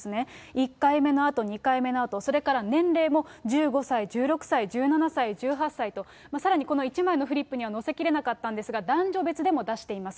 １回目のあと、２回目のあと、それから年齢も１５歳、１６歳、１７歳、１８歳と、さらにこの１枚のフリップには載せきれなかったんですが、男女別でも出しています。